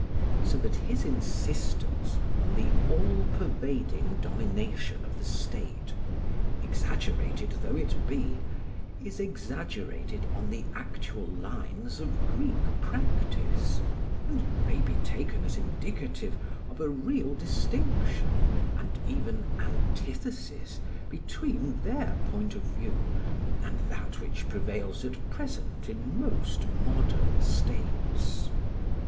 So that his insistence on the all pervading domination of the state, exaggerated though it be, is exaggerated on the actual lines of Greek practice, and may be taken as indicative of a real distinction and even antithesis between their point of view and that which prevails at present in most modern states.